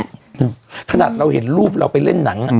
ขนาดเราเห็นรูปเราไปเล่นหนังอ่ะ